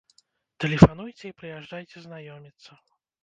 Тэлефануйце і прыязджайце знаёміцца!